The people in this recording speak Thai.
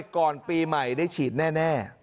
ก่อนปีใหม่ได้ฉีดแน่